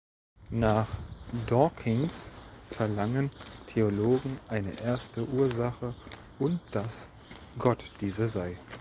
Nach Dawkins verlangen Theologen eine erste Ursache und dass Gott diese sei.